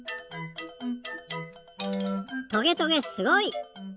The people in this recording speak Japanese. トゲトゲすごい！